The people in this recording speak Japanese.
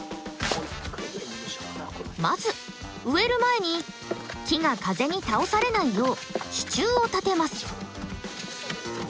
まず植える前に木が風に倒されないよう支柱を立てます。